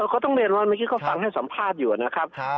เขาต้องเรียนว่าเมื่อกี้เขาฟังให้สัมภาษณ์อยู่นะครับ